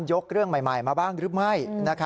เรื่องใหม่มาบ้างหรือไม่